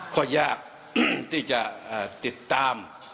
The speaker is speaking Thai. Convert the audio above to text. ก็ยากที่จะติดตาม